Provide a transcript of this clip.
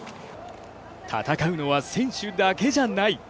戦うのは選手だけじゃない。